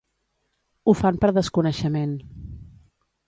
Ho fan per desconeixement.